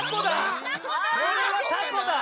これはタコだ！